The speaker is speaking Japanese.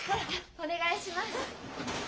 お願いします。